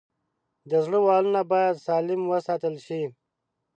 د زړه والونه باید سالم وساتل شي.